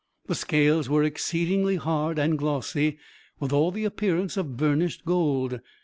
The scales were exceedingly hard and glossy, with all the appearance of burnished gold.